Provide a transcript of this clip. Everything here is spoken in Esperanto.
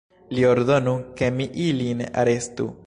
Li ordonu, ke mi ilin arestu!